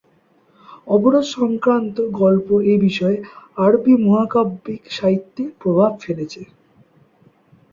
অবরোধ সংক্রান্ত গল্প এ বিষয়ে আরবি মহাকাব্যিক সাহিত্যে প্রভাব ফেলেছে।